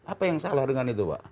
apa yang salah dengan itu pak